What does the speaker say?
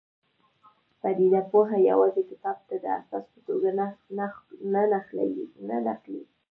پدیده پوه یوازې کتاب ته د اساس په توګه نه نښلي.